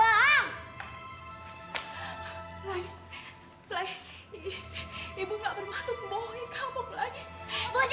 pelangi pelangi ibu gak bermasuk membohongi kamu pelangi